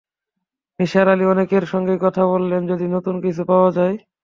নিসার আলি অনেকের সঙ্গেই কথা বললেন-যদি নতুন কিছু পাওয়া যায়।